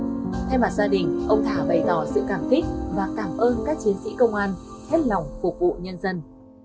thay mặt gia đình ông thả bày tỏ sự cảm kích và cảm ơn các chiến sĩ công an hết lòng phục vụ nhân dân